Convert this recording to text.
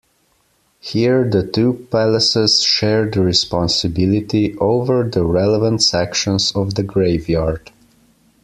Here the two palaces share the responsibility over the relevant sections of the graveyard.